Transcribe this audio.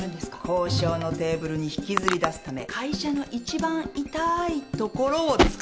交渉のテーブルに引きずり出すため会社のいちばん痛いところを突く！